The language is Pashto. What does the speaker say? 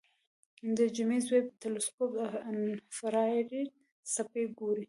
د جیمز ویب تلسکوپ انفراریډ څپې ګوري.